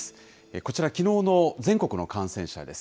こちら、きのうの全国の感染者です。